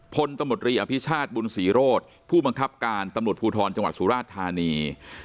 พ้นตนบริอภิชาธิ์บุญศรีรถผู้มังคับการตำรวจภูทลจังหวัดสุราษฎานี